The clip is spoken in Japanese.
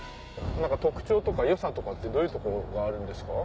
良さとかってどういうとこがあるんですか？